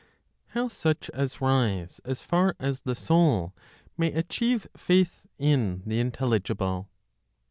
HOW SUCH AS RISE AS FAR AS THE SOUL MAY ACHIEVE FAITH IN THE INTELLIGIBLE.